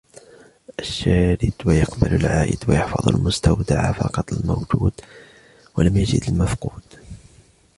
الشَّارِدَ ، وَيَقْبَلْ الْعَائِدَ ، وَيَحْفَظْ الْمُسْتَوْدَعَ فَقَدَ الْمَوْجُودَ ، وَلَمْ يَجِدْ الْمَفْقُودَ